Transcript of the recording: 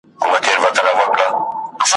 د شګوفو تر ونو لاندي دمه سوم !.